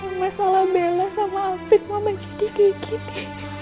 tidak ada masalah bella sama afin ma menjadi kayak gini